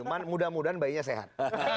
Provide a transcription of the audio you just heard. mudah mudahan bayinya sehat